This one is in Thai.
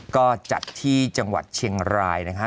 ก็จัดที่จังหวัดเชียงรายนะคะ